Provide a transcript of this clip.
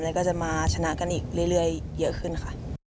แล้วก็จะมาชนะกันอีกเรื่อยเยอะขึ้นค่ะ